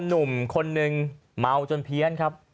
หนุ่มคนนึงเมาจนเพี้ยนครับ